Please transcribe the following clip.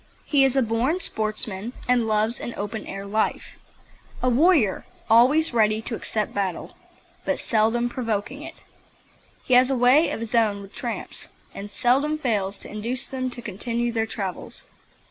He is a born sportsman and loves an open air life a warrior, always ready to accept battle, but seldom provoking it. He has a way of his own with tramps, and seldom fails to induce them to continue their travels.